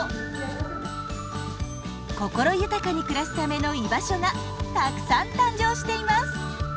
心豊かに暮らすための居場所がたくさん誕生しています。